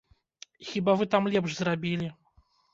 Хіба вы там лепш зрабілі?